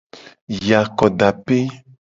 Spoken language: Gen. Yi akodape.